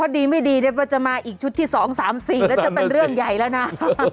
พอดีไม่ดีเนี่ยพอจะมาอีกชุดที่สองสามสี่แล้วจะเป็นเรื่องใหญ่แล้วนะอ่ะ